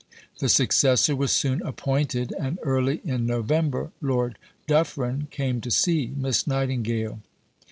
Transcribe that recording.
The successor was soon appointed, and early in November Lord Dufferin came to see Miss Nightingale.